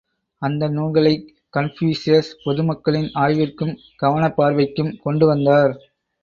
அந்த நூல்களைக் கன்பூசியஸ் பொது மக்களின் ஆய்விற்கும் கவனப் பார்வைக்கும் கொண்டு வந்தார்.